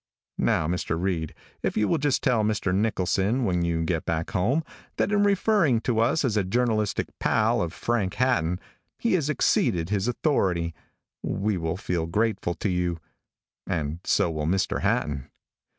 Now, Mr. Reid, if you will just tell Mr. Nicholson, when you get back home, that in referring to us as a journalistic pal of Frank Hatton he has exceeded his authority, we will feel grateful to you and so will Mr. Hatton.